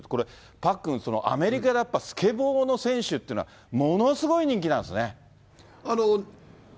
パックン、アメリカでやっぱスケボーの選手っていうのは、ものすごい人気なんですね。